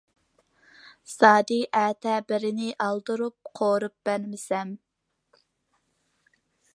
زادى ئەتە بىرنى ئالدۇرۇپ قورۇپ بەرمىسەم.